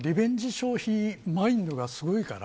消費マインドがすごいから